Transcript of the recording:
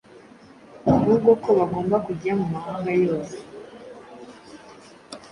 ahubwo ko bagomba kujya mu mahanga yose